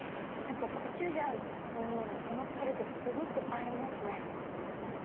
コチュジャンのようなこのタレとすごく合いますね。